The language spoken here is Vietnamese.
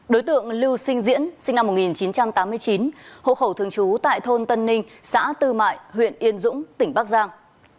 đối tượng lưu sinh diễn sinh năm một nghìn chín trăm tám mươi chín hộ khẩu thường trú tại thôn tân ninh xã tư mại huyện yên dũng tỉnh bắc giang